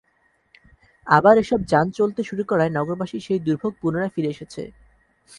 আবার এসব যান চলতে শুরু করায় নগরবাসীর সেই দুর্ভোগ পুনরায় ফিরে এসেছে।